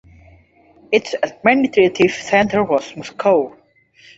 Its administrative centre was Moscow.